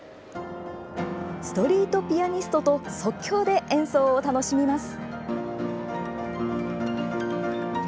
ストリートピアニストと即興で演奏を楽しみます。